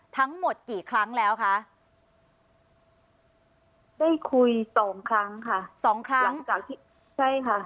ทั้งหมดกี่ครั้งแล้วคะได้คุยสองครั้งค่ะสองครั้งหลังจากที่ใช่ค่ะ